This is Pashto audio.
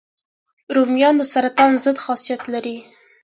رومیان د سرطان ضد خاصیت لري